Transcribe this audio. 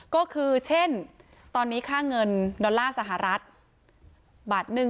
ก็คือเช่นตอนนี้ค่าเงินดอลลาร์สหรัฐบาทหนึ่ง